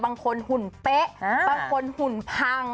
หุ่นเป๊ะบางคนหุ่นพัง